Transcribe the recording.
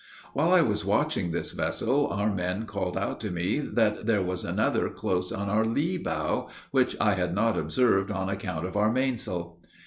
While I was watching this vessel, our men called out to me that there was another close on our lee bow, which I had not observed on account of our mainsail.